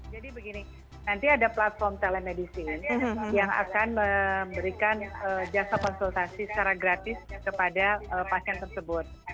jadi begini nanti ada platform telemedicine yang akan memberikan jasa konsultasi secara gratis kepada pasien tersebut